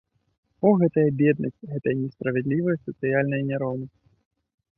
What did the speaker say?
О, гэтая беднасць, гэтая несправядлівая сацыяльная няроўнасць!